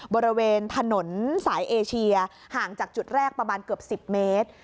บริเวณถนนสายเอเชียห่างจากจุดแรกประมาณเกือบ๑๐เมตร